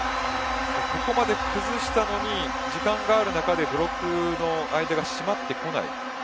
ここまで崩したのに時間のある中でブロックの間がしまってこない。